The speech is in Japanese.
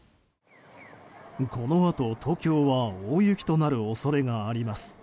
このあと東京は大雪となる恐れがあります。